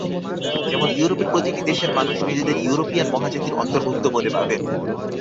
যেমন ইউরোপের প্রতিটি দেশের মানুষ নিজেদের ইউরোপিয়ান মহাজাতির অন্তর্ভুক্ত বলে ভাবেন।